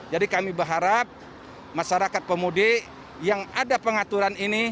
jadi kami berharap masyarakat pemudik yang ada pengaturan ini